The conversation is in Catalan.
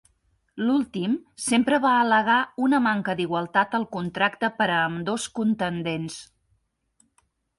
L'últim sempre va al·legar una manca d'igualtat al contracte per a ambdós contendents.